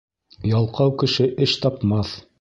Ялҡау кеше эш тапмаҫ